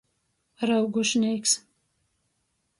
Ryugušnīks.